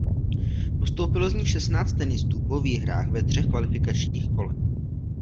Postoupilo z ní šestnáct tenistů po výhrách ve třech kvalifikačních kolech.